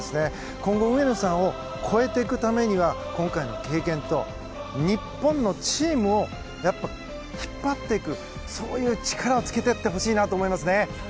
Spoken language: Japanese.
今後上野さんを超えていくためには今回の経験と日本のチームを引っ張っていくそういう力をつけていってほしいなと思います。